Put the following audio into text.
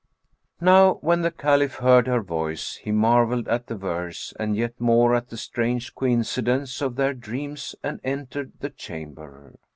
Now when the Caliph heard her voice, he marvelled at the verse and yet more at the strange coincidence of their dreams and entered the chamber.